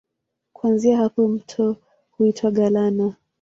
Kuanzia hapa mto huitwa Galana.